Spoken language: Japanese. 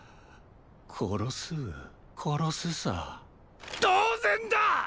殺す殺すさ当然だ！